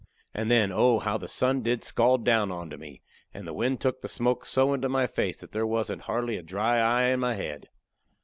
And then, oh, how the sun did scald down onto me, and the wind took the smoke so into my face that there wasn't hardly a dry eye in my head.